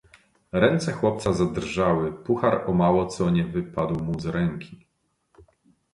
"Ręce chłopca zadrżały, puhar o mało co nie wypadł mu z ręki."